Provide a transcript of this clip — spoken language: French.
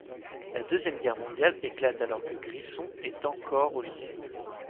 La Deuxième Guerre mondiale éclate alors que Grissom est encore au lycée.